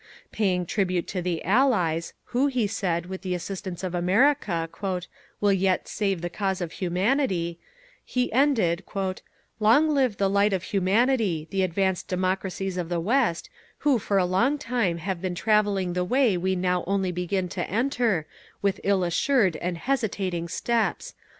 Paying tribute to the Allies, who, he said, with the assistance of America, "will yet save the cause of humanity," he ended: "Long live the light of humanity, the advanced democracies of the West, who for a long time have been travelling the way we now only begin to enter, with ill assured and hesitating steps!